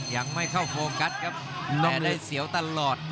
ยังไม่เข้าโฟกัสครับนอนเลยเสียวตลอด